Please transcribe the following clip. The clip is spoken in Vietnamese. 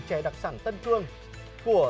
trẻ đặc sản tân cương của